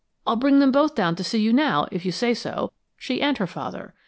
I'll bring them both down to you now, if you say so, she and her father.